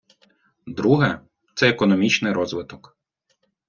Друге - це економічний розвиток.